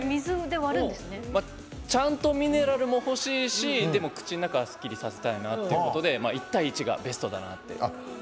ちゃんとミネラルも欲しいしでも口の中すっきりさせたいなと思って１対１がベストだなって。